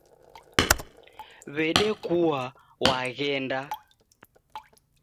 W'edekua waghenda